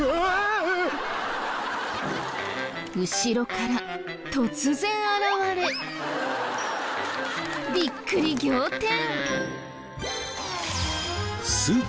後ろから突然現れビックリ仰天！